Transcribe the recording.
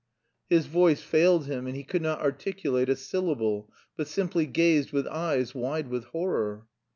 "_ His voice failed him and he could not articulate a syllable but simply gazed with eyes wide with horror.